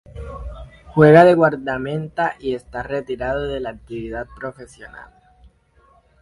Juega de guardameta y esta retirado de la actividad profesional.